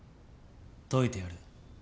解いてやる。